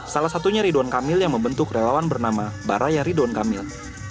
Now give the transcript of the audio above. salah satunya ridwan kamil yang membentuk relawan bernama baraya ridwan kamil